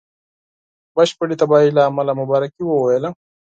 بشپړي تباهی له امله مبارکي وویله.